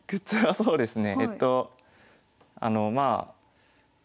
そうですね。